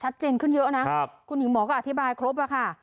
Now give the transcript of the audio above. อ้อฉัดเจนขึ้นเยอะนะคุณหญิงหมอก็อธิบายครบแล้วค่ะ